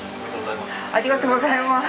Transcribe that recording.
おめでとうございます。